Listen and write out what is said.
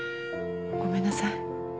ごめんなさい。